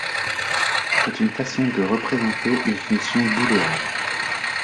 C'est une façon de représenter une fonction booléenne.